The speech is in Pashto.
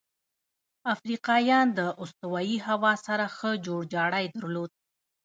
افریقایان د استوایي هوا سره ښه جوړجاړی درلود.